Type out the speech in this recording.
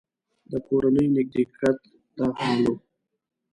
د کورني نږدېکت دا حال و.